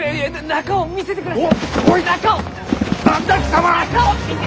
中を見せて！